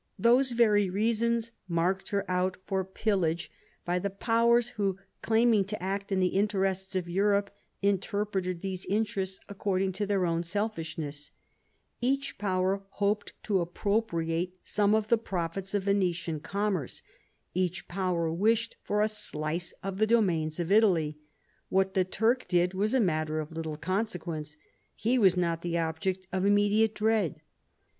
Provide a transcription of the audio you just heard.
Those very reasons marked her out for pillage by the powers who, claiming to act in the interests of Europe, interpreted these interests accord ing to their own selfishnes& Each power hoped to appropriate some of the profits of Venetian commerce ; each power wished for a slice of the domains of Italy. What the Turk did was a matter of little consequence ; he was not the object of immediate dread.